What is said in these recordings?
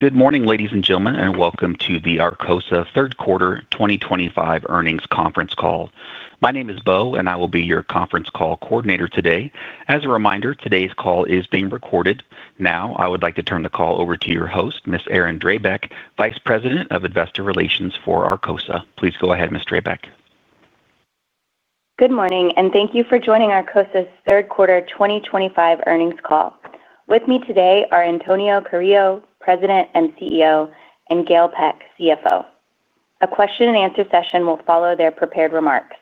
Good morning, ladies and gentlemen, and welcome to the Arcosa Third Quarter 2025 Earnings Conference Call. My name is Bo, and I will be your conference call coordinator today. As a reminder, today's call is being recorded. Now, I would like to turn the call over to your host, Ms. Erin Drabek, Vice President of Investor Relations for Arcosa. Please go ahead, Ms. Drabek. Good morning, and thank you for joining Arcosa's Third Quarter 2025 Earnings Call. With me today are Antonio Carrillo, President and CEO, and Gail Peck, CFO. A question-and-answer session will follow their prepared remarks.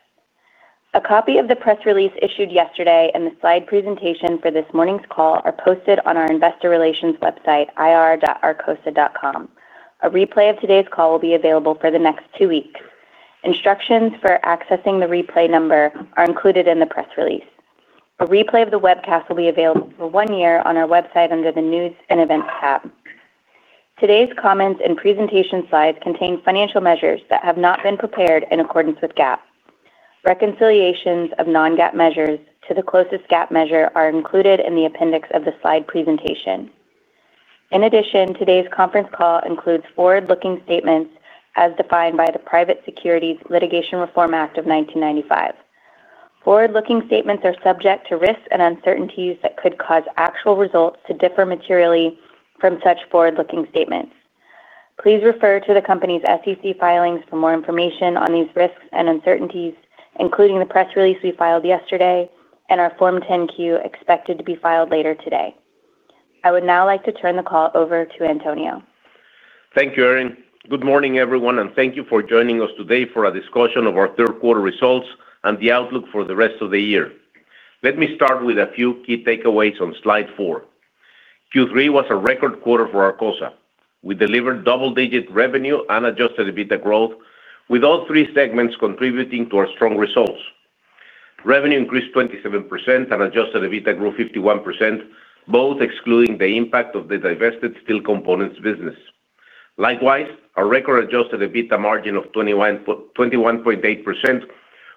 A copy of the press release issued yesterday and the slide presentation for this morning's call are posted on our investor relations website, ira.arcosa.com. A replay of today's call will be available for the next two weeks. Instructions for accessing the replay number are included in the press release. A replay of the webcast will be available for one year on our website under the News and Events tab. Today's comments and presentation slides contain financial measures that have not been prepared in accordance with GAAP. Reconciliations of non-GAAP measures to the closest GAAP measure are included in the appendix of the slide presentation. In addition, today's conference call includes forward-looking statements as defined by the Private Securities Litigation Reform Act of 1995. Forward-looking statements are subject to risks and uncertainties that could cause actual results to differ materially from such forward-looking statements. Please refer to the company's SEC filings for more information on these risks and uncertainties, including the press release we filed yesterday and our Form 10-Q expected to be filed later today. I would now like to turn the call over to Antonio. Thank you, Erin. Good morning, everyone, and thank you for joining us today for a discussion of our third quarter results and the outlook for the rest of the year. Let me start with a few key takeaways on slide four. Q3 was a record quarter for Arcosa. We delivered double-digit revenue and Adjusted EBITDA growth, with all three segments contributing to our strong results. Revenue increased 27% and Adjusted EBITDA grew 51%, both excluding the impact of the divested steel components business. Likewise, our record Adjusted EBITDA margin of 21.8%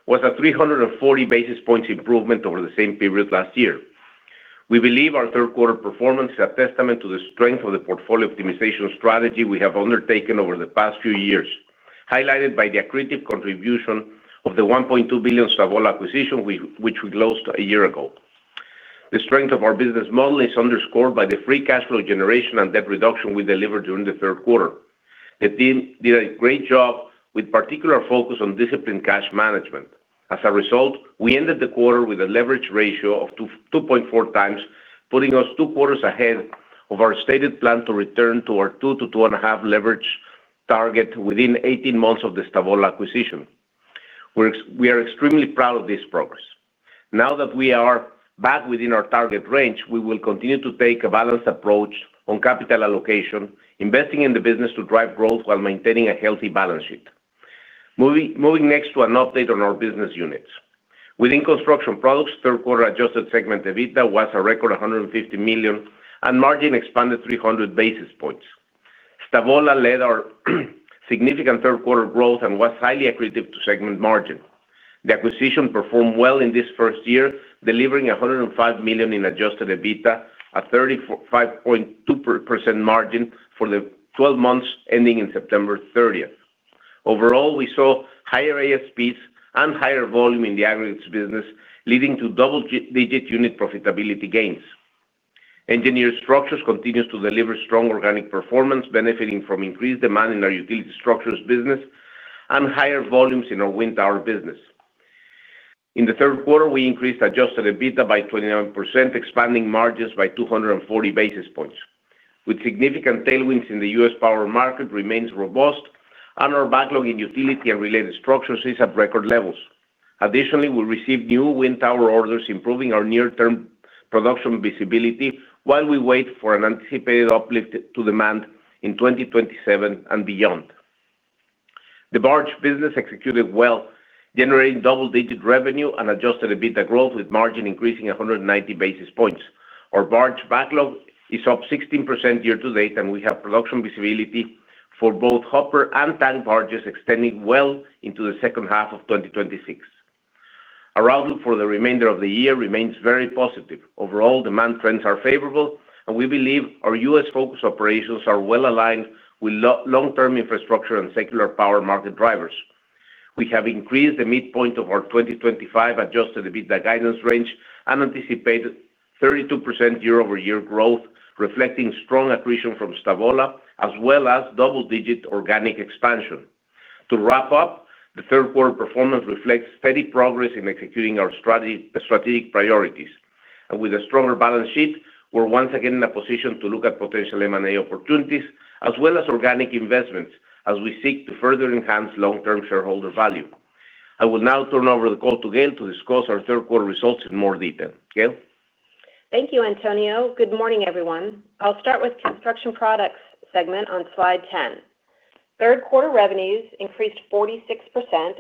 was a 340 basis points improvement over the same period last year. We believe our third quarter performance is a testament to the strength of the portfolio optimization strategy we have undertaken over the past few years, highlighted by the accretive contribution of the $1.2 billion Stavola acquisition, which we closed a year ago. The strength of our business model is underscored by the free cash flow generation and debt reduction we delivered during the third quarter. The team did a great job with particular focus on disciplined cash management. As a result, we ended the quarter with a leverage ratio of 2.4x, putting us two quarters ahead of our stated plan to return to our 2-2.5 leverage target within 18 months of the Stavola acquisition. We are extremely proud of this progress. Now that we are back within our target range, we will continue to take a balanced approach on capital allocation, investing in the business to drive growth while maintaining a healthy balance sheet. Moving next to an update on our business units. Within construction products, third quarter adjusted segment EBITDA was a record $150 million, and margin expanded 300 basis points. Stavola led our significant third quarter growth and was highly accretive to segment margin. The acquisition performed well in this first year, delivering $105 million in Adjusted EBITDA, a 35.2% margin for the 12 months ending in September 30th. Overall, we saw higher ASPs and higher volume in the aggregates business, leading to double-digit unit profitability gains. Engineered structures continue to deliver strong organic performance, benefiting from increased demand in our utility structures business and higher volumes in our wind tower business. In the third quarter, we increased Adjusted EBITDA by 29%, expanding margins by 240 basis points. With significant tailwinds in the U.S. power market, it remains robust, and our backlog in utility and related structures is at record levels. Additionally, we received new wind tower orders, improving our near-term production visibility while we wait for an anticipated uplift to demand in 2027 and beyond. The barge business executed well, generating double-digit revenue and Adjusted EBITDA growth, with margin increasing 190 basis points. Our barge backlog is up 16% year to date, and we have production visibility for both hopper and tank barges extending well into the second half of 2026. Our outlook for the remainder of the year remains very positive. Overall, demand trends are favorable, and we believe our U.S.-focused operations are well aligned with long-term infrastructure and secular power market drivers. We have increased the midpoint of our 2025 Adjusted EBITDA guidance range and anticipated 32% year-over-year growth, reflecting strong accretion from Stavola as well as double-digit organic expansion. To wrap up, the third quarter performance reflects steady progress in executing our strategic priorities. With a stronger balance sheet, we're once again in a position to look at potential M&A opportunities as well as organic investments as we seek to further enhance long-term shareholder value. I will now turn over the call to Gail to discuss our third quarter results in more detail. Gail? Thank you, Antonio. Good morning, everyone. I'll start with Construction Products segment on slide 10. Third quarter revenues increased 46%,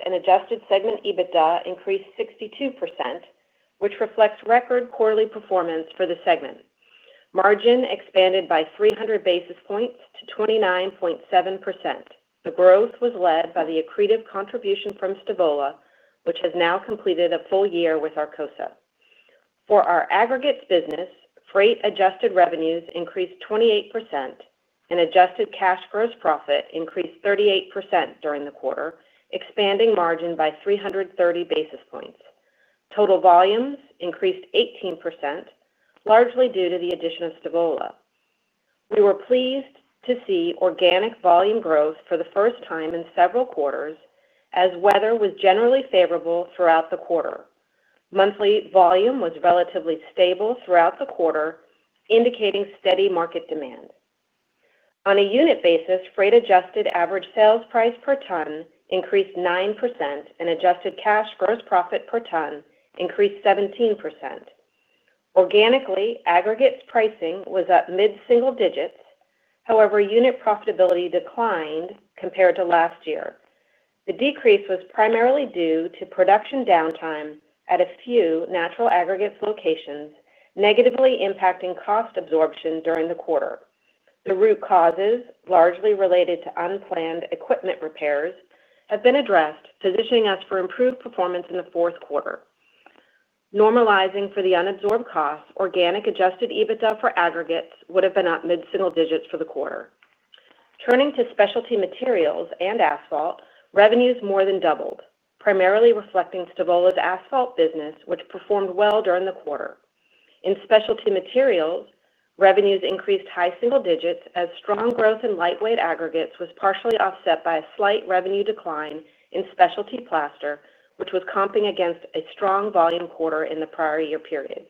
and adjusted segment EBITDA increased 62%, which reflects record quarterly performance for the segment. Margin expanded by 300 basis points to 29.7%. The growth was led by the accretive contribution from Stavola, which has now completed a full year with Arcosa. For our aggregates business, freight adjusted revenues increased 28%, and adjusted cash gross profit increased 38% during the quarter, expanding margin by 330 basis points. Total volumes increased 18%, largely due to the addition of Stavola. We were pleased to see organic volume growth for the first time in several quarters as weather was generally favorable throughout the quarter. Monthly volume was relatively stable throughout the quarter, indicating steady market demand. On a unit basis, freight adjusted average sales price per ton increased 9%, and adjusted cash gross profit per ton increased 17%. Organically, aggregates pricing was up mid-single digits. However, unit profitability declined compared to last year. The decrease was primarily due to production downtime at a few natural aggregates locations, negatively impacting cost absorption during the quarter. The root causes, largely related to unplanned equipment repairs, have been addressed, positioning us for improved performance in the fourth quarter. Normalizing for the unabsorbed costs, organic Adjusted EBITDA for aggregates would have been up mid-single digits for the quarter. Turning to specialty materials and asphalt, revenues more than doubled, primarily reflecting Stavola's asphalt business, which performed well during the quarter. In specialty materials, revenues increased high single digits as strong growth in lightweight aggregates was partially offset by a slight revenue decline in specialty plaster, which was comping against a strong volume quarter in the prior year period.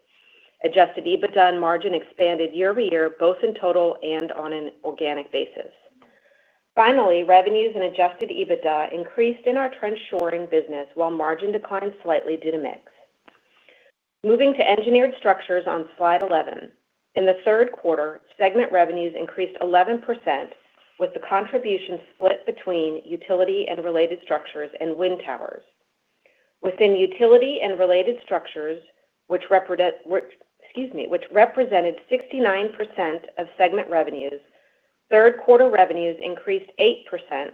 Adjusted EBITDA and margin expanded year-over-year, both in total and on an organic basis. Finally, revenues and Adjusted EBITDA increased in our trench shoring business, while margin declined slightly due to mix. Moving to Engineered Structures on slide 11. In the third quarter, segment revenues increased 11% with the contribution split between utility and related structures and wind towers. Within utility and related structures, which. Represented 69% of segment revenues, third quarter revenues increased 8%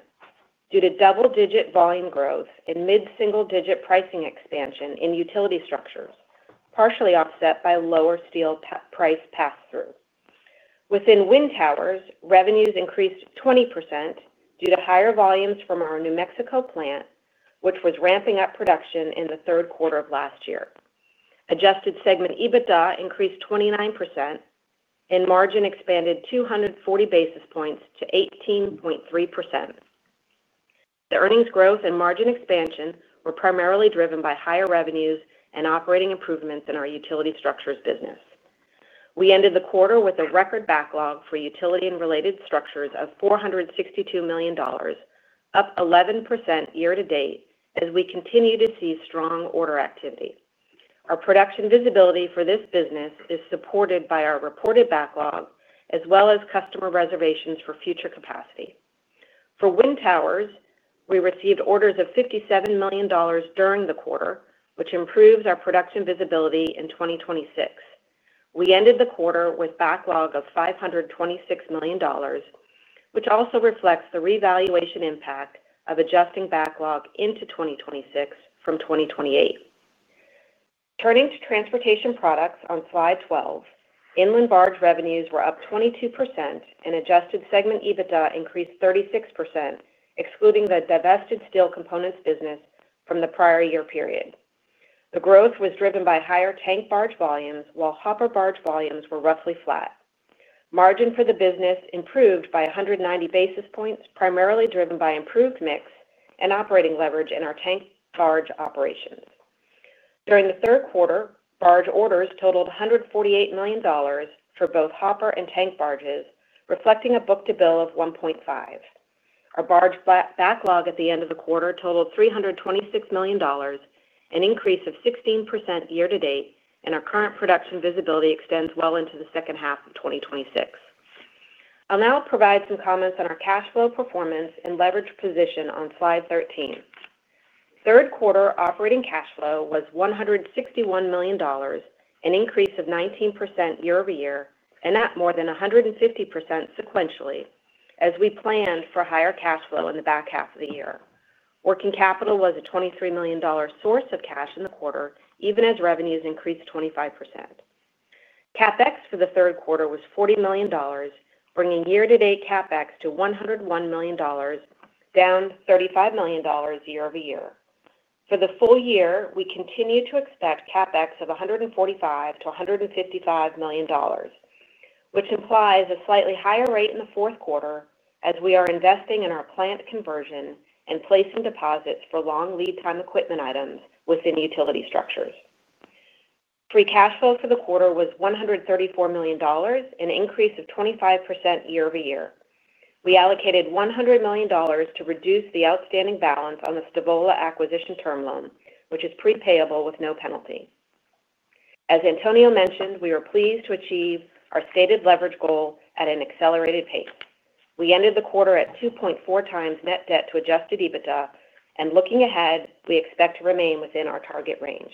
due to double-digit volume growth and mid-single digit pricing expansion in utility structures, partially offset by lower steel price pass-through. Within wind towers, revenues increased 20% due to higher volumes from our New Mexico plant, which was ramping up production in the third quarter of last year. Adjusted segment EBITDA increased 29%, and margin expanded 240 basis points to 18.3%. The earnings growth and margin expansion were primarily driven by higher revenues and operating improvements in our utility structures business. We ended the quarter with a record backlog for utility and related structures of $462 million, up 11% year to date as we continue to see strong order activity. Our production visibility for this business is supported by our reported backlog as well as customer reservations for future capacity. For wind towers, we received orders of $57 million during the quarter, which improves our production visibility in 2026. We ended the quarter with a backlog of $526 million, which also reflects the revaluation impact of adjusting backlog into 2026 from 2028. Turning to transportation products on slide 12, inland barge revenues were up 22%, and adjusted segment EBITDA increased 36%, excluding the divested steel components business from the prior year period. The growth was driven by higher tank barge volumes, while hopper barge volumes were roughly flat. Margin for the business improved by 190 basis points, primarily driven by improved mix and operating leverage in our tank barge operations. During the third quarter, barge orders totaled $148 million for both hopper and tank barges, reflecting a book-to-bill of 1.5. Our barge backlog at the end of the quarter totaled $326 million, an increase of 16% year to date, and our current production visibility extends well into the second half of 2026. I'll now provide some comments on our cash flow performance and leverage position on slide 13. Third quarter operating cash flow was $161 million, an increase of 19% year over year, and up more than 150% sequentially as we planned for higher cash flow in the back half of the year. Working capital was a $23 million source of cash in the quarter, even as revenues increased 25%. CapEx for the third quarter was $40 million, bringing year-to-date CapEx to $101 million, down $35 million year over year. For the full year, we continue to expect CapEx of $145 to $155 million, which implies a slightly higher rate in the fourth quarter as we are investing in our plant conversion and placing deposits for long lead-time equipment items within utility structures. Free cash flow for the quarter was $134 million, an increase of 25% year over year. We allocated $100 million to reduce the outstanding balance on the Stavola acquisition term loan, which is prepayable with no penalty. As Antonio Carrillo mentioned, we were pleased to achieve our stated leverage goal at an accelerated pace. We ended the quarter at 2.4x net debt to Adjusted EBITDA, and looking ahead, we expect to remain within our target range.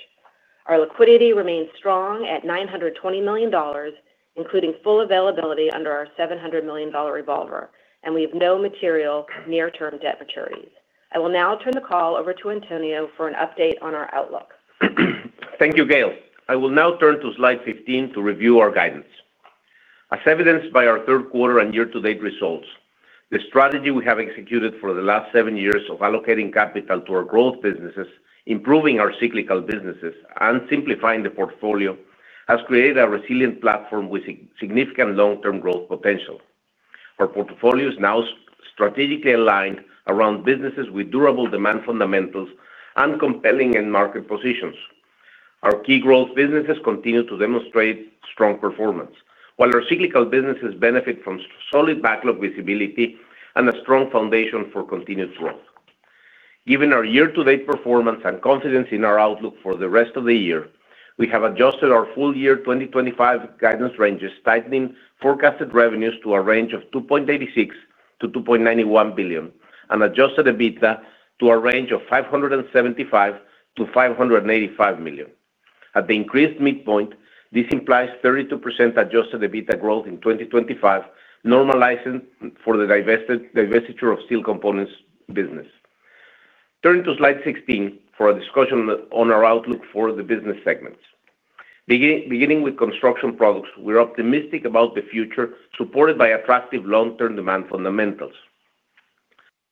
Our liquidity remains strong at $920 million, including full availability under our $700 million revolver, and we have no material near-term debt maturities. I will now turn the call over to Antonio for an update on our outlook. Thank you, Gail. I will now turn to slide 15 to review our guidance. As evidenced by our third quarter and year-to-date results, the strategy we have executed for the last seven years of allocating capital to our growth businesses, improving our cyclical businesses, and simplifying the portfolio has created a resilient platform with significant long-term growth potential. Our portfolio is now strategically aligned around businesses with durable demand fundamentals and compelling end-market positions. Our key growth businesses continue to demonstrate strong performance, while our cyclical businesses benefit from solid backlog visibility and a strong foundation for continued growth. Given our year-to-date performance and confidence in our outlook for the rest of the year, we have adjusted our full year 2025 guidance ranges, tightening forecasted revenues to a range of $2.86-$2.91 billion and Adjusted EBITDA to a range of $575-$585 million. At the increased midpoint, this implies 32% Adjusted EBITDA growth in 2025, normalizing for the divestiture of steel components business. Turning to slide 16 for a discussion on our outlook for the business segments. Beginning with construction products, we're optimistic about the future supported by attractive long-term demand fundamentals.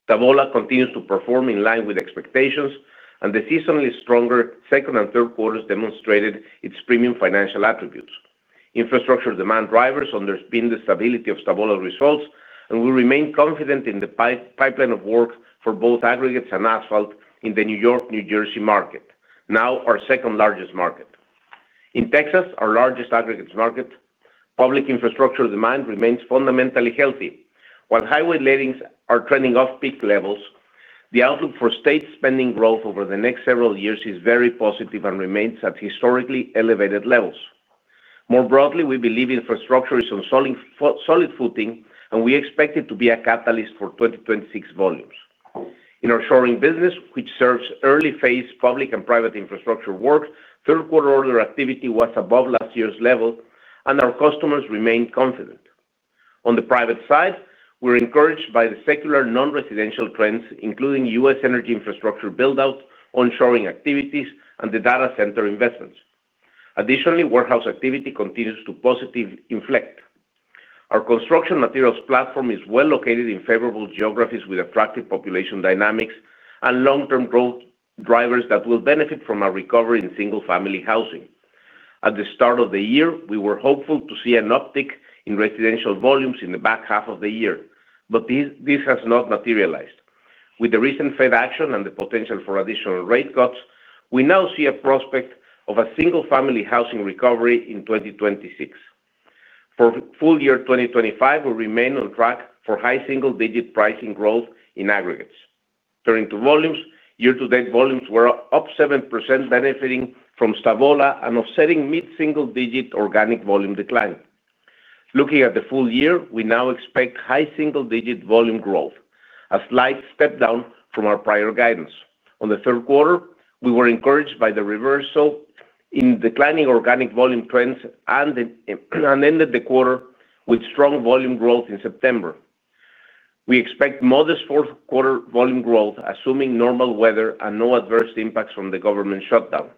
Stavola continues to perform in line with expectations, and the seasonally stronger second and third quarters demonstrated its premium financial attributes. Infrastructure demand drivers underpin the stability of Stavola results, and we remain confident in the pipeline of work for both aggregates and asphalt in the New York, New Jersey market, now our second largest market. In Texas, our largest aggregates market, public infrastructure demand remains fundamentally healthy. While highway lettings are trending off peak levels, the outlook for state spending growth over the next several years is very positive and remains at historically elevated levels. More broadly, we believe infrastructure is on solid footing, and we expect it to be a catalyst for 2026 volumes. In our shoring business, which serves early-phase public and private infrastructure work, third quarter order activity was above last year's level, and our customers remain confident. On the private side, we're encouraged by the secular non-residential trends, including U.S. energy infrastructure build-out on shoring activities and the data center investments. Additionally, warehouse activity continues to positively inflect. Our construction materials platform is well located in favorable geographies with attractive population dynamics and long-term growth drivers that will benefit from our recovery in single-family housing. At the start of the year, we were hopeful to see an uptick in residential volumes in the back half of the year, but this has not materialized. With the recent Fed action and the potential for additional rate cuts, we now see a prospect of a single-family housing recovery in 2026. For full year 2025, we remain on track for high single-digit pricing growth in aggregates. Turning to volumes, year-to-date volumes were up 7%, benefiting from Stavola and offsetting mid-single-digit organic volume decline. Looking at the full year, we now expect high single-digit volume growth, a slight step down from our prior guidance. In the third quarter, we were encouraged by the reversal in declining organic volume trends and ended the quarter with strong volume growth in September. We expect modest fourth-quarter volume growth, assuming normal weather and no adverse impacts from the government shutdown.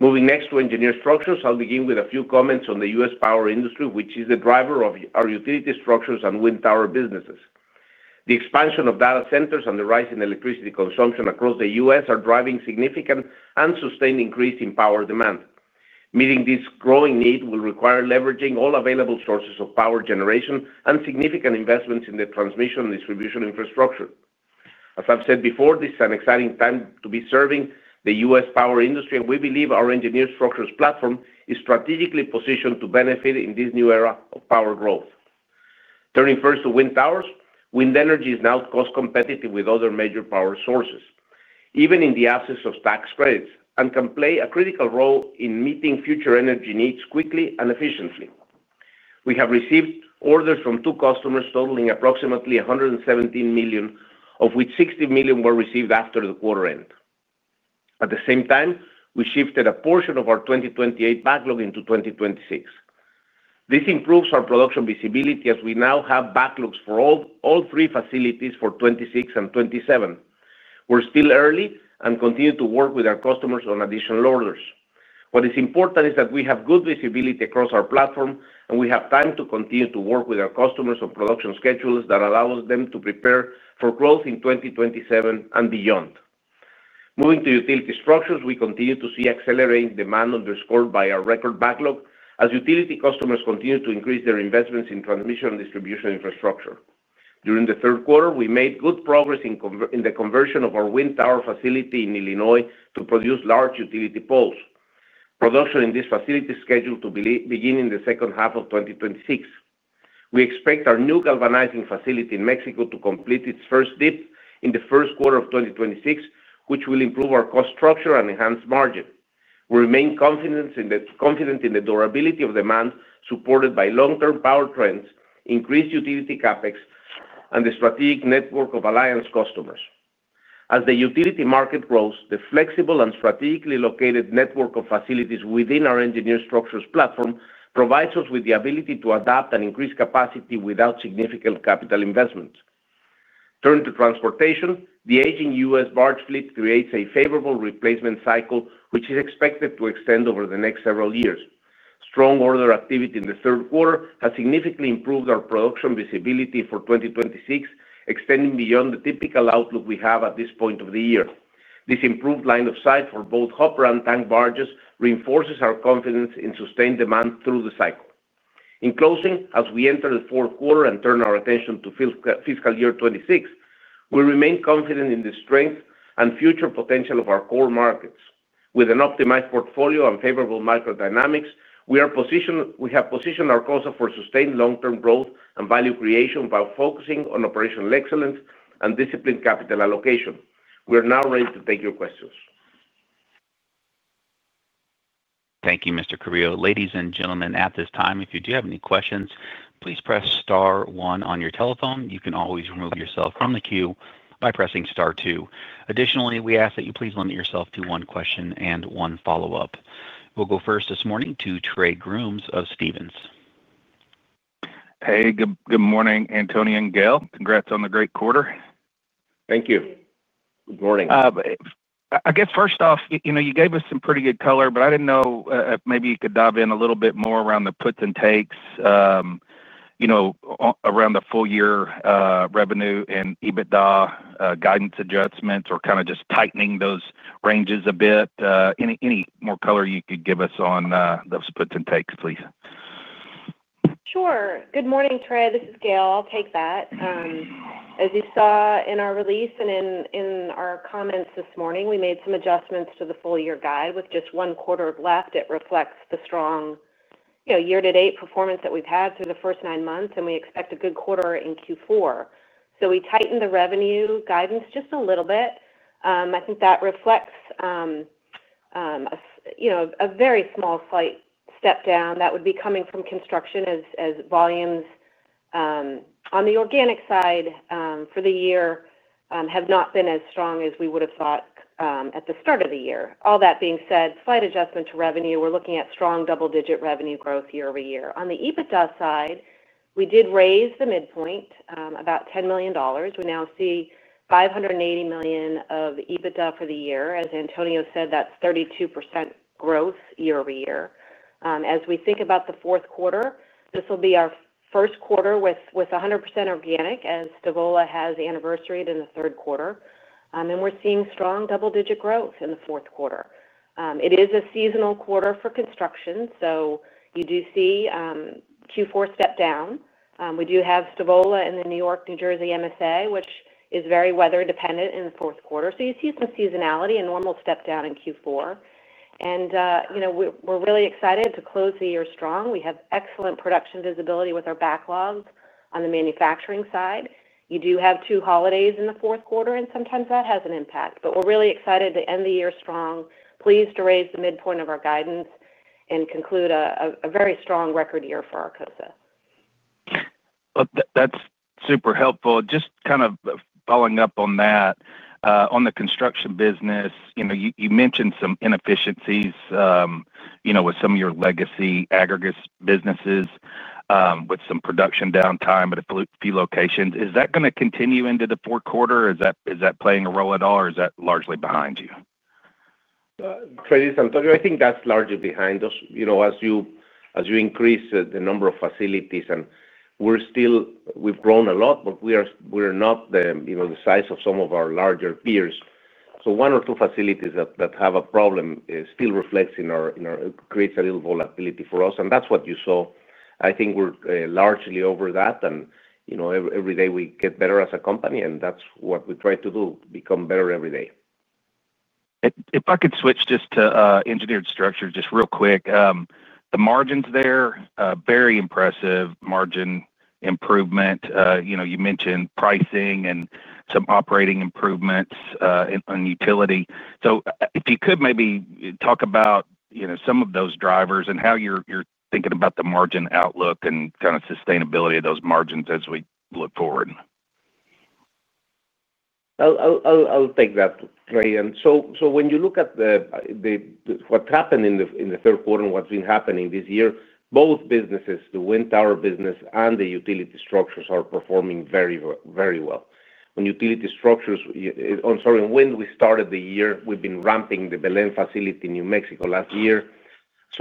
Moving next to engineered structures, I'll begin with a few comments on the U.S. power industry, which is the driver of our utility structures and wind tower businesses. The expansion of data centers and the rise in electricity consumption across the U.S. are driving significant and sustained increase in power demand. Meeting this growing need will require leveraging all available sources of power generation and significant investments in the transmission and distribution infrastructure. As I've said before, this is an exciting time to be serving the U.S. power industry, and we believe our engineered structures platform is strategically positioned to benefit in this new era of power growth. Turning first to wind towers, wind energy is now cost-competitive with other major power sources, even in the absence of tax credits, and can play a critical role in meeting future energy needs quickly and efficiently. We have received orders from two customers totaling approximately $117 million, of which $60 million were received after the quarter end. At the same time, we shifted a portion of our 2028 backlog into 2026. This improves our production visibility as we now have backlogs for all three facilities for 2026 and 2027. We're still early and continue to work with our customers on additional orders. What is important is that we have good visibility across our platform, and we have time to continue to work with our customers on production schedules that allow them to prepare for growth in 2027 and beyond. Moving to utility structures, we continue to see accelerating demand underscored by our record backlog as utility customers continue to increase their investments in transmission and distribution infrastructure. During the third quarter, we made good progress in the conversion of our wind tower facility in Illinois to produce large utility poles. Production in this facility is scheduled to begin in the second half of 2026. We expect our new galvanizing facility in Mexico to complete its first dip in the first quarter of 2026, which will improve our cost structure and enhance margin. We remain confident in the durability of demand supported by long-term power trends, increased utility CapEx, and the strategic network of Alliance customers. As the utility market grows, the flexible and strategically located network of facilities within our engineered structures platform provides us with the ability to adapt and increase capacity without significant capital investments. Turning to transportation, the aging U.S. barge fleet creates a favorable replacement cycle, which is expected to extend over the next several years. Strong order activity in the third quarter has significantly improved our production visibility for 2026, extending beyond the typical outlook we have at this point of the year. This improved line of sight for both hopper and tank barges reinforces our confidence in sustained demand through the cycle. In closing, as we enter the fourth quarter and turn our attention to fiscal year 2026, we remain confident in the strength and future potential of our core markets. With an optimized portfolio and favorable microdynamics, we have positioned our costs for sustained long-term growth and value creation while focusing on operational excellence and disciplined capital allocation. We are now ready to take your questions. Thank you, Mr. Carrillo. Ladies and gentlemen, at this time, if you do have any questions, please press star one on your telephone. You can always remove yourself from the queue by pressing star two. Additionally, we ask that you please limit yourself to one question and one follow-up. We'll go first this morning to Trey Grooms of Stephens. Hey, good morning, Antonio and Gail. Congrats on the great quarter. Thank you. Good morning. I guess first off, you gave us some pretty good color, but I didn't know if maybe you could dive in a little bit more around the puts and takes around the full-year revenue and EBITDA guidance adjustments or kind of just tightening those ranges a bit. Any more color you could give us on those puts and takes, please. Sure. Good morning, Trey. This is Gail. I'll take that. As you saw in our release and in our comments this morning, we made some adjustments to the full-year guide. With just one quarter left, it reflects the strong year-to-date performance that we've had through the first nine months, and we expect a good quarter in Q4. We tightened the revenue guidance just a little bit. I think that reflects a very small slight step down that would be coming from construction as volumes on the organic side for the year have not been as strong as we would have thought at the start of the year. All that being said, slight adjustment to revenue, we're looking at strong double-digit revenue growth year over year. On the EBITDA side, we did raise the midpoint about $10 million. We now see $580 million of EBITDA for the year. As Antonio said, that's 32% growth year over year. As we think about the fourth quarter, this will be our first quarter with 100% organic as Stavola has anniversary in the third quarter, and we're seeing strong double-digit growth in the fourth quarter. It is a seasonal quarter for construction, so you do see Q4 step down. We do have Stavola in the New York, New Jersey MSA, which is very weather-dependent in the fourth quarter. You see some seasonality and normal step down in Q4. We're really excited to close the year strong. We have excellent production visibility with our backlogs on the manufacturing side. You do have two holidays in the fourth quarter, and sometimes that has an impact. We're really excited to end the year strong, pleased to raise the midpoint of our guidance, and conclude a very strong record year for Arcosa. That's super helpful. Just kind of following up on that, on the construction business, you mentioned some inefficiencies with some of your legacy aggregates businesses, with some production downtime at a few locations. Is that going to continue into the fourth quarter? Is that playing a role at all, or is that largely behind you? I think that's largely behind us. As you increase the number of facilities, and we've grown a lot, but we're not the size of some of our larger peers. One or two facilities that have a problem still creates a little volatility for us. That's what you saw. I think we're largely over that. Every day we get better as a company, and that's what we try to do, become better every day. If I could switch just to engineered structures real quick. The margins there are very impressive. Margin improvement. You mentioned pricing and some operating improvements in utility. If you could maybe talk about some of those drivers and how you're thinking about the margin outlook and kind of sustainability of those margins as we look forward. I'll take that, Trey. When you look at what's happened in the third quarter and what's been happening this year, both businesses, the wind tower business and the utility structures, are performing very well. On utility structures, when we started the year, we've been ramping the Belén facility in New Mexico last year.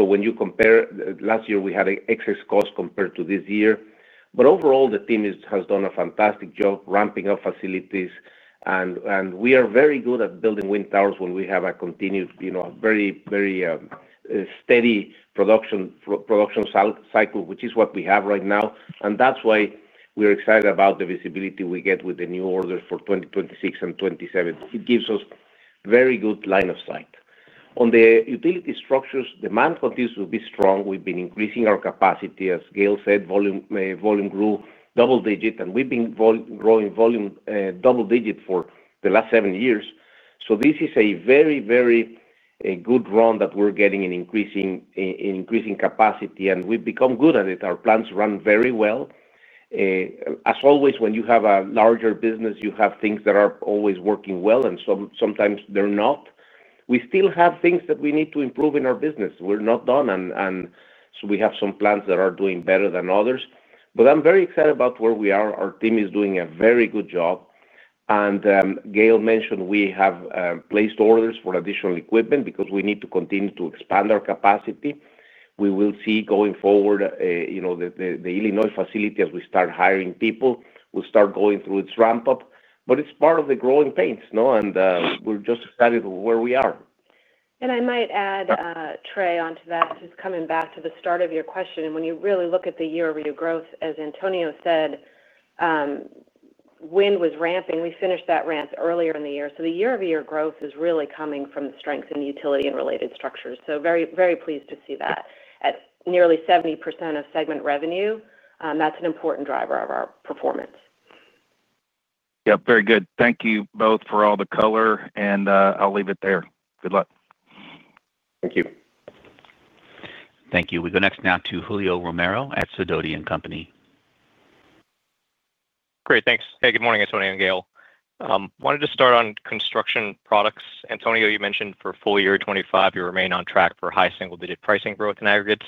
When you compare, last year we had excess costs compared to this year. Overall, the team has done a fantastic job ramping up facilities. We are very good at building wind towers when we have a continued, very steady production cycle, which is what we have right now. That's why we're excited about the visibility we get with the new orders for 2026 and 2027. It gives us a very good line of sight. On the utility structures, demand continues to be strong. We've been increasing our capacity, as Gail said, volume grew double-digit, and we've been growing volume double-digit for the last seven years. This is a very, very good run that we're getting in increasing capacity, and we've become good at it. Our plants run very well. As always, when you have a larger business, you have things that are always working well, and sometimes they're not. We still have things that we need to improve in our business. We're not done. We have some plants that are doing better than others. I'm very excited about where we are. Our team is doing a very good job. Gail mentioned we have placed orders for additional equipment because we need to continue to expand our capacity. We will see going forward. The Illinois facility, as we start hiring people, will start going through its ramp-up. It's part of the growing pains, and we're just excited with where we are. I might add Trey onto that, just coming back to the start of your question. When you really look at the year-over-year growth, as Antonio said, wind was ramping, we finished that ramp earlier in the year. The year-over-year growth is really coming from the strength in utility and related structures. Very pleased to see that. At nearly 70% of segment revenue, that's an important driver of our performance. Yep, very good. Thank you both for all the color, and I'll leave it there. Good luck. Thank you. Thank you. We go next now to Julio Romero at Sidoti & Company. Great, thanks. Hey, good morning, Antonio and Gail. Wanted to start on construction products. Antonio, you mentioned for full-year 2025, you remain on track for high single-digit pricing growth in aggregates.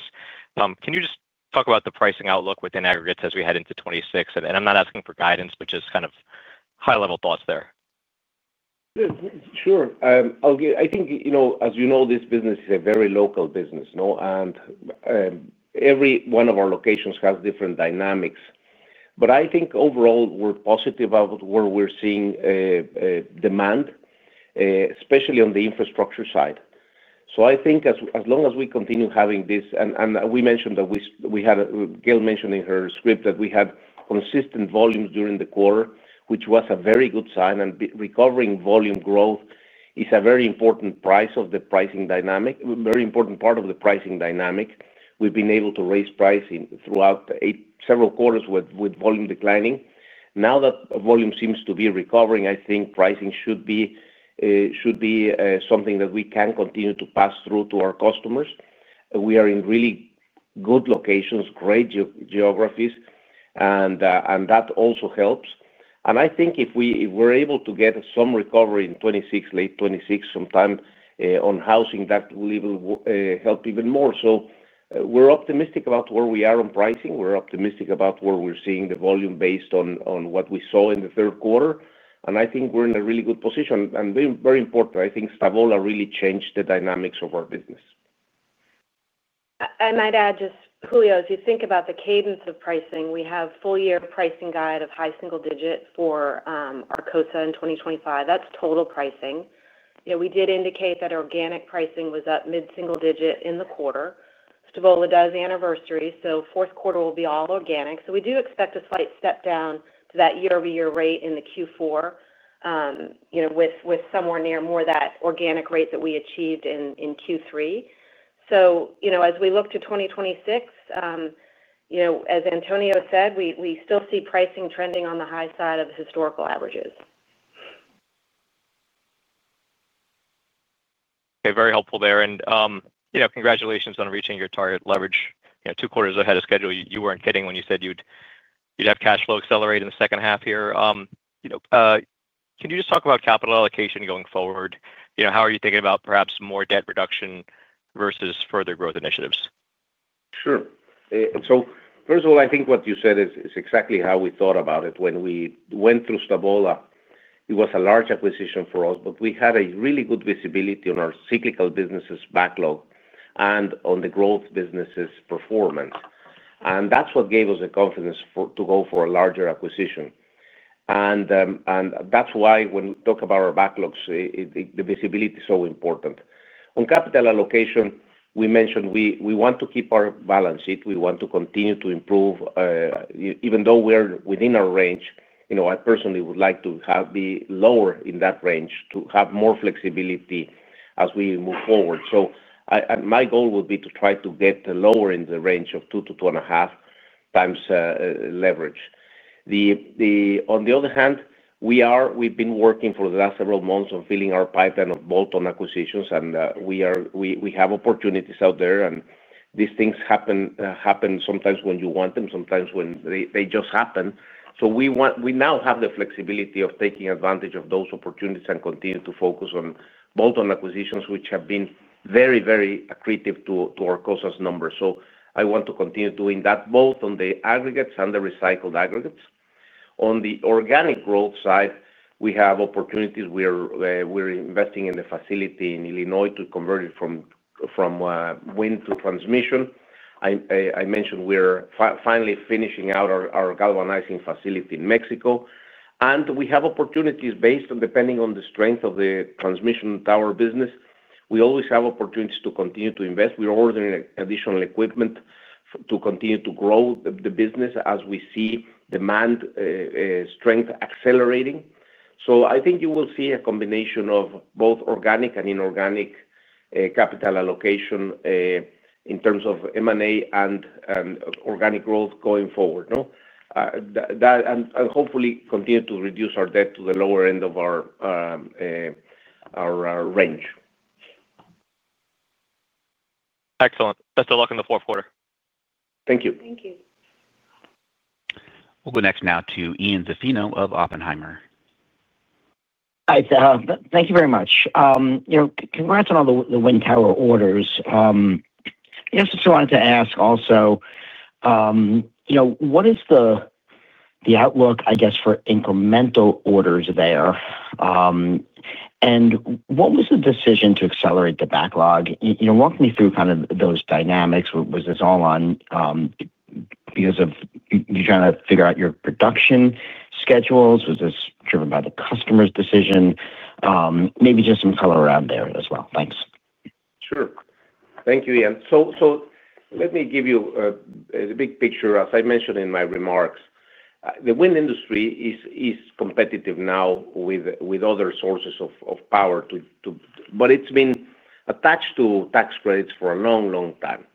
Can you just talk about the pricing outlook within aggregates as we head into 2026? I'm not asking for guidance, just kind of high-level thoughts there. Sure. I think, as you know, this business is a very local business. Every one of our locations has different dynamics. I think overall, we're positive about where we're seeing demand, especially on the infrastructure side. I think as long as we continue having this, and we mentioned that Gail mentioned in her script that we had consistent volumes during the quarter, which was a very good sign. Recovering volume growth is a very important part of the pricing dynamic. We've been able to raise pricing throughout several quarters with volume declining. Now that volume seems to be recovering, I think pricing should be something that we can continue to pass through to our customers. We are in really good locations, great geographies, and that also helps. I think if we're able to get some recovery in 2026, late 2026, sometime on housing, that will even help even more. We're optimistic about where we are on pricing. We're optimistic about where we're seeing the volume based on what we saw in the third quarter. I think we're in a really good position. Very important, I think Stavola really changed the dynamics of our business. I might add, Julio, as you think about the cadence of pricing, we have full-year pricing guide of high single digit for Arcosa in 2025. That's total pricing. We did indicate that organic pricing was up mid-single digit in the quarter. Stavola does anniversary, so fourth quarter will be all organic. We do expect a slight step down to that year-over-year rate in Q4, with somewhere near more of that organic rate that we achieved in Q3. As we look to 2026, as Antonio said, we still see pricing trending on the high side of historical averages. Okay, very helpful there. Congratulations on reaching your target leverage two quarters ahead of schedule. You weren't kidding when you said you'd have cash flow accelerate in the second half here. Can you just talk about capital allocation going forward? How are you thinking about perhaps more debt reduction versus further growth initiatives? Sure. First of all, I think what you said is exactly how we thought about it. When we went through Stavola, it was a large acquisition for us, but we had really good visibility on our cyclical businesses' backlog and on the growth businesses' performance. That's what gave us the confidence to go for a larger acquisition. That's why when we talk about our backlogs, the visibility is so important. On capital allocation, we mentioned we want to keep our balance sheet. We want to continue to improve. Even though we're within our range, I personally would like to be lower in that range to have more flexibility as we move forward. My goal would be to try to get lower in the range of two to two and a half times leverage. On the other hand, we've been working for the last several months on filling our pipeline of bolt-on acquisitions, and we have opportunities out there. These things happen. Sometimes when you want them, sometimes when they just happen. We now have the flexibility of taking advantage of those opportunities and continue to focus on bolt-on acquisitions, which have been very, very accretive to Arcosa's numbers. I want to continue doing that both on the aggregates and the recycled aggregates. On the organic growth side, we have opportunities. We're investing in the facility in Illinois to convert it from wind to transmission. I mentioned we're finally finishing out our galvanizing facility in Mexico. We have opportunities depending on the strength of the transmission tower business. We always have opportunities to continue to invest. We're ordering additional equipment to continue to grow the business as we see demand strength accelerating. I think you will see a combination of both organic and inorganic capital allocation in terms of M&A and organic growth going forward, and hopefully continue to reduce our debt to the lower end of our range. Excellent. Best of luck in the fourth quarter. Thank you. Thank you. We'll go next to Ian Zaffino of Oppenheimer. Hi, Zaff. Thank you very much. Congrats on all the wind tower orders. I just wanted to ask also, what is the outlook, I guess, for incremental orders there? What was the decision to accelerate the backlog? Walk me through kind of those dynamics. Was this all on because of you trying to figure out your production schedules? Was this driven by the customer's decision? Maybe just some color around there as well. Thanks. Sure. Thank you, Ian. Let me give you the big picture. As I mentioned in my remarks, the wind industry is competitive now with other sources of power. It has been attached to tax credits for a long, long time.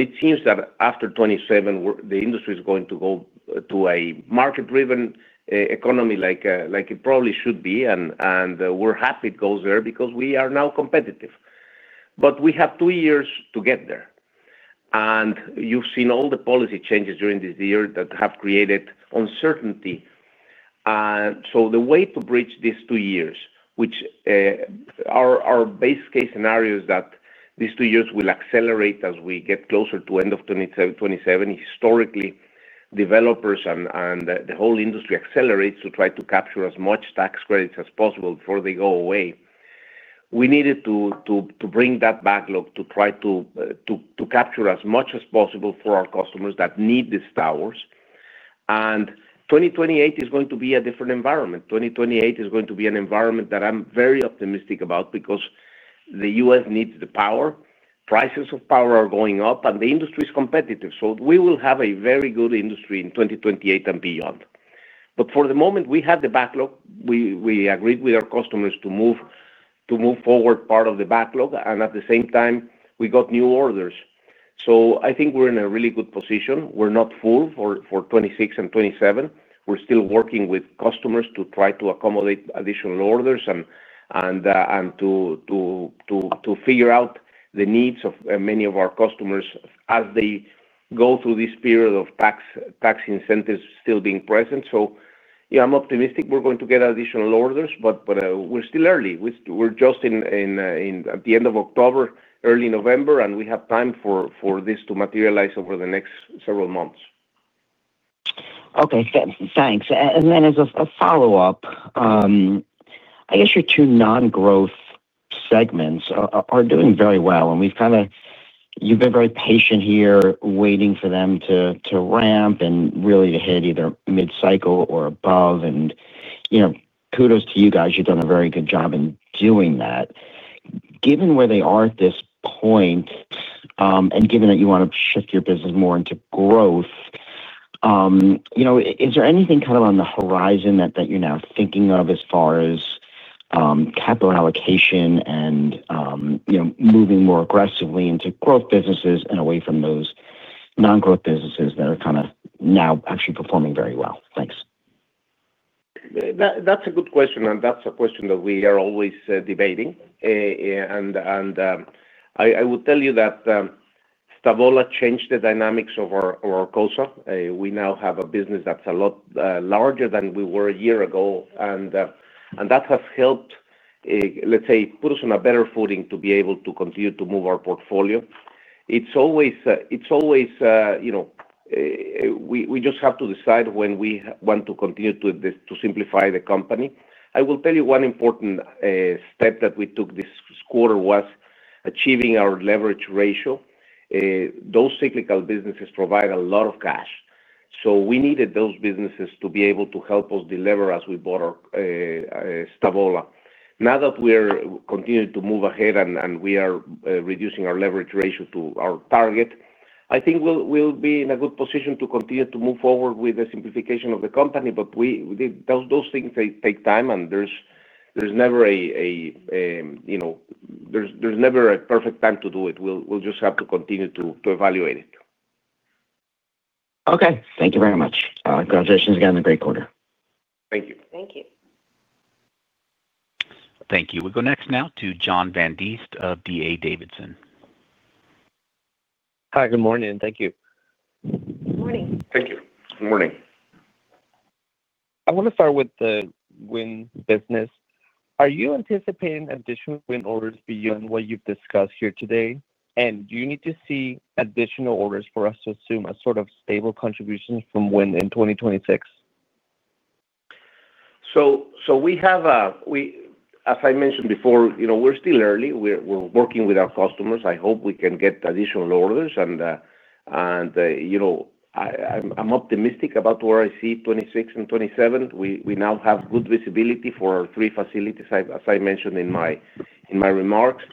It seems that after 2027, the industry is going to go to a market-driven economy like it probably should be. We are happy it goes there because we are now competitive. We have two years to get there. You have seen all the policy changes during this year that have created uncertainty. The way to bridge these two years, which are base case scenarios, is that these two years will accelerate as we get closer to the end of 2027. Historically, developers and the whole industry accelerate to try to capture as much tax credits as possible before they go away. We needed to bring that backlog to try to capture as much as possible for our customers that need these towers. 2028 is going to be a different environment. 2028 is going to be an environment that I'm very optimistic about because the U.S. needs the power. Prices of power are going up, and the industry is competitive. We will have a very good industry in 2028 and beyond. For the moment, we had the backlog. We agreed with our customers to move forward part of the backlog. At the same time, we got new orders. I think we're in a really good position. We're not full for 2026 and 2027. We're still working with customers to try to accommodate additional orders and to figure out the needs of many of our customers as they go through this period of tax incentives still being present. I'm optimistic we're going to get additional orders, but we're still early. We're just at the end of October, early November, and we have time for this to materialize over the next several months. Okay. Thanks. As a follow-up, I guess your two non-growth segments are doing very well. You've been very patient here waiting for them to ramp and really to hit either mid-cycle or above. Kudos to you guys. You've done a very good job in doing that. Given where they are at this point, and given that you want to shift your business more into growth, is there anything on the horizon that you're now thinking of as far as capital allocation and moving more aggressively into growth businesses and away from those non-growth businesses that are now actually performing very well? Thanks. That's a good question, and that's a question that we are always debating. I would tell you that Stavola changed the dynamics of our Arcosa. We now have a business that's a lot larger than we were a year ago, and that has helped, let's say, put us on a better footing to be able to continue to move our portfolio. We just have to decide when we want to continue to simplify the company. I will tell you one important step that we took this quarter was achieving our leverage ratio. Those cyclical businesses provide a lot of cash, so we needed those businesses to be able to help us deliver as we bought Stavola. Now that we're continuing to move ahead and we are reducing our leverage ratio to our target, I think we'll be in a good position to continue to move forward with the simplification of the company. Those things, they take time, and there's never a perfect time to do it. We'll just have to continue to evaluate it. Okay. Thank you very much. Congratulations again on the great quarter. Thank you. Thank you. Thank you. We go next now to John Van Dieth of D.A. Davidson. Hi, good morning. Thank you. Good morning. Thank you. Good morning. I want to start with the wind business. Are you anticipating additional wind orders beyond what you've discussed here today? Do you need to see additional orders for us to assume a sort of stable contribution from wind in 2026? As I mentioned before, we're still early. We're working with our customers. I hope we can get additional orders. I'm optimistic about where I see 2026 and 2027. We now have good visibility for our three facilities, as I mentioned in my remarks.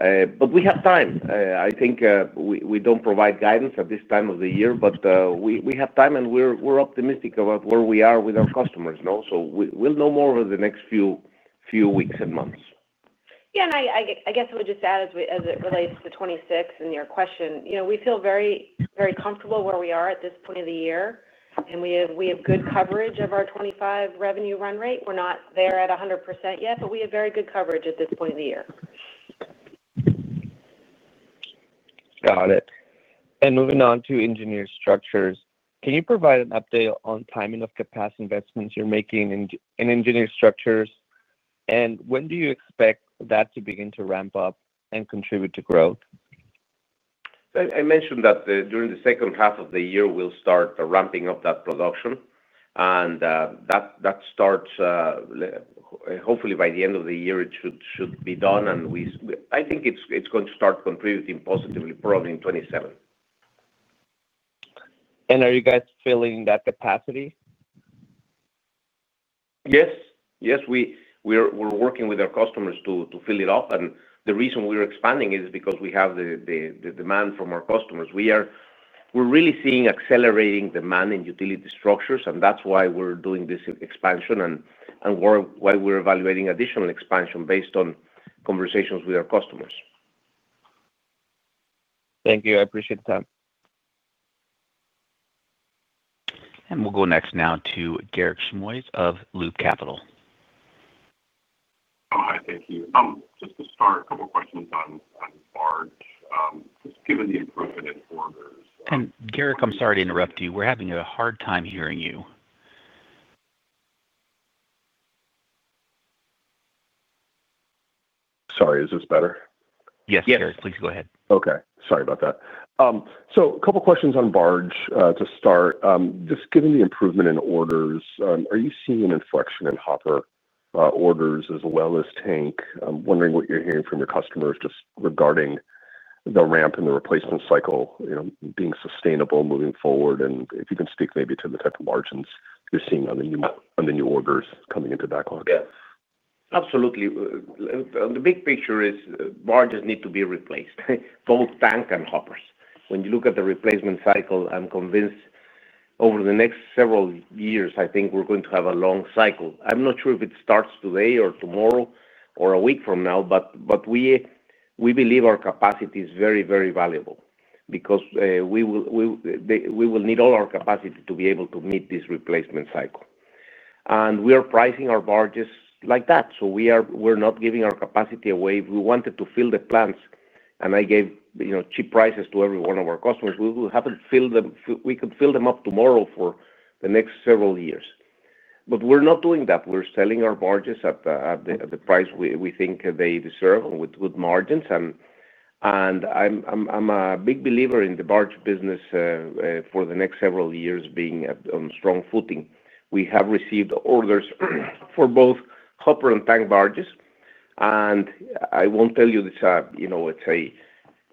We have time. I think we don't provide guidance at this time of the year, but we have time, and we're optimistic about where we are with our customers. We'll know more over the next few weeks and months. I guess I would just add, as it relates to '2026 and your question, we feel very comfortable where we are at this point of the year. We have good coverage of our '2025 revenue run rate. We're not there at 100% yet, but we have very good coverage at this point of the year. Got it. Moving on to engineered structures, can you provide an update on timing of capacity investments you're making in engineered structures? When do you expect that to begin to ramp up and contribute to growth? I mentioned that during the second half of the year, we'll start ramping up that production. That starts, hopefully by the end of the year, it should be done. I think it's going to start contributing positively probably in 2027. Are you guys filling that capacity? Yes. We are working with our customers to fill it up. The reason we are expanding is because we have the demand from our customers. We are really seeing accelerating demand in utility structures, which is why we are doing this expansion and why we are evaluating additional expansion based on conversations with our customers. Thank you. I appreciate the time. We'll go next to Garik Shmois of Loop Capital Markets. Hi, thank you. Just to start, a couple of questions on barges. Just given the improvement in orders. Garik, I'm sorry to interrupt you. We're having a hard time hearing you. Sorry, is this better? Yes, Garik, please go ahead. Okay. A couple of questions on BARD to start. Just given the improvement in orders, are you seeing an inflection in hopper orders as well as tank? I'm wondering what you're hearing from your customers just regarding the ramp and the replacement cycle being sustainable moving forward. If you can speak maybe to the type of margins you're seeing on the new orders coming into backlog. Yeah. Absolutely. The big picture is barges just need to be replaced, both tank and hoppers. When you look at the replacement cycle, I'm convinced over the next several years, I think we're going to have a long cycle. I'm not sure if it starts today or tomorrow or a week from now, but we believe our capacity is very, very valuable because we will need all our capacity to be able to meet this replacement cycle. We are pricing our barges just like that. We're not giving our capacity away. If we wanted to fill the plants and I gave cheap prices to every one of our customers, we could fill them up tomorrow for the next several years. We're not doing that. We're selling our barges at the price we think they deserve with good margins. I'm a big believer in the barge business for the next several years being on strong footing. We have received orders for both hopper and tank barges. I won't tell you this, let's say,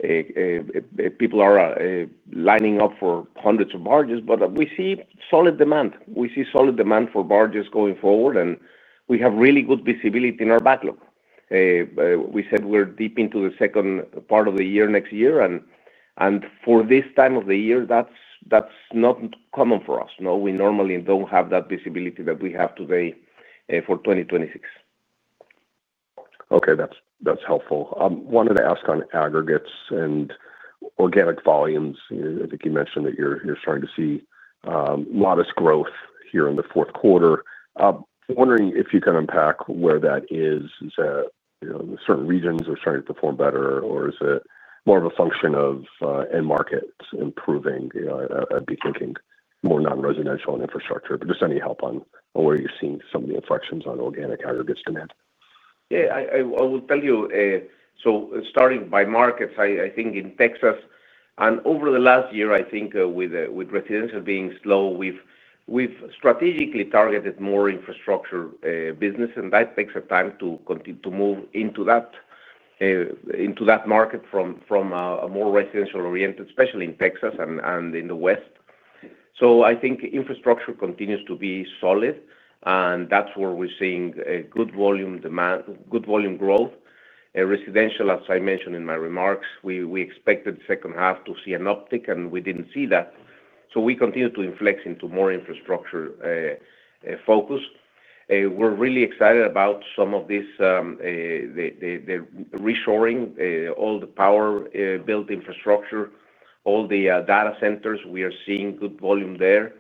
people are lining up for hundreds of barges, but we see solid demand. We see solid demand for barges going forward. We have really good visibility in our backlog. We said we're deep into the second part of the year next year, and for this time of the year, that's not common for us. We normally don't have that visibility that we have today for 2026. Okay. That's helpful. I wanted to ask on aggregates and organic volumes. I think you mentioned that you're starting to see modest growth here in the fourth quarter. I'm wondering if you can unpack where that is. Is it certain regions are starting to perform better, or is it more of a function of end markets improving? I'd be thinking more non-residential and infrastructure. Just any help on where you're seeing some of the inflections on organic aggregates demand? Yeah. I will tell you. Starting by markets, I think in Texas, and over the last year, I think with residential being slow, we've strategically targeted more infrastructure business. That takes some time to move into that market from a more residential-oriented, especially in Texas and in the West. I think infrastructure continues to be solid, and that's where we're seeing good volume growth. Residential, as I mentioned in my remarks, we expected the second half to see an uptick, and we didn't see that. We continue to inflex into more infrastructure focus. We're really excited about some of this, the reshoring, all the power-built infrastructure, all the data centers. We are seeing good volume there.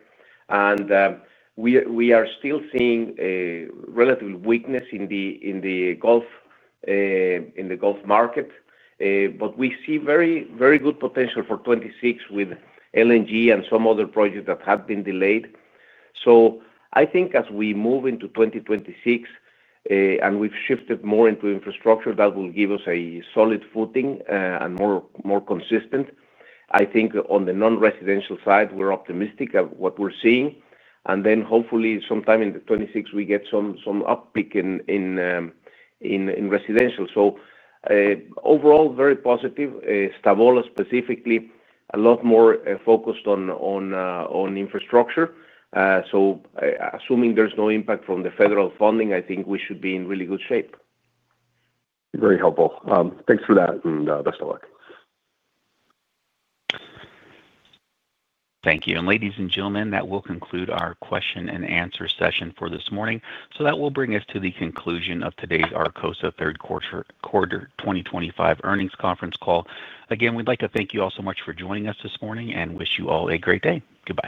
We are still seeing relative weakness in the Gulf market, but we see very good potential for 2026 with LNG and some other projects that have been delayed. I think as we move into 2026 and we've shifted more into infrastructure, that will give us a solid footing and more consistent, I think on the non-residential side, we're optimistic of what we're seeing. Hopefully sometime in 2026, we get some uptick in residential. Overall, very positive. Stavola specifically, a lot more focused on infrastructure. Assuming there's no impact from the federal funding, I think we should be in really good shape. Very helpful. Thanks for that and best of luck. Thank you. Ladies and gentlemen, that will conclude our question and answer session for this morning. That will bring us to the conclusion of today's Arcosa Third Quarter 2025 earnings conference call. Again, we'd like to thank you all so much for joining us this morning and wish you all a great day. Goodbye.